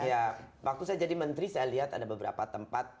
ya waktu saya jadi menteri saya lihat ada beberapa tempat